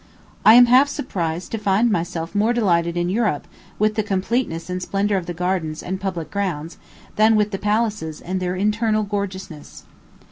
I am half surprised to find myself more delighted in Europe with the completeness and splendor of the gardens and public grounds than with the palaces and their internal gorgeousness.